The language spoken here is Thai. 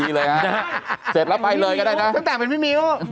นี่เลยฮะนะฮะเสร็จแล้วไปเลยก็ได้นะตั้งแต่เป็นพี่มิ้ว